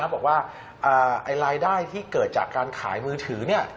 บอกว่ารายได้ที่เกิดจากการขายมือถือ